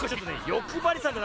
よくばりさんだな。